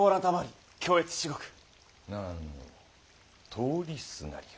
通りすがりよ。